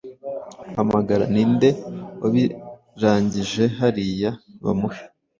Hamagara ninde wabirangije hariya bamuhe-